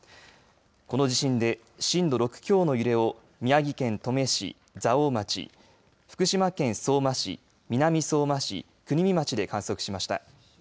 この地震で、震度６強の揺れを宮城県登米市、蔵王町福島県相馬市南相馬市、国見町で観測しました。